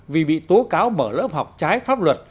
vì bị tố cáo mở lớp học trái pháp luật